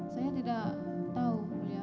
saya tidak tahu